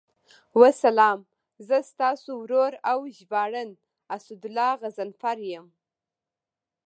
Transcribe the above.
والسلام، زه ستاسو ورور او ژباړن اسدالله غضنفر یم.